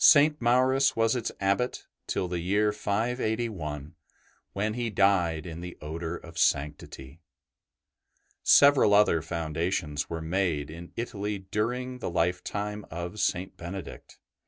BENEDICT Maurus was its Abbot till the year 581, when he died in the odour of sanctity. Several other foundations were made m Italy during the lifetime of St. Benedict.